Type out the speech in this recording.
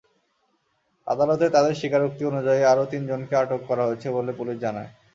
আদালতে তাঁদের স্বীকারোক্তি অনুযায়ী আরও তিনজনকে আটক করা হয়েছে বলে পুলিশ জানায়।